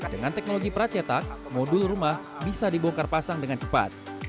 dengan teknologi pracetak modul rumah bisa dibongkar pasang dengan cepat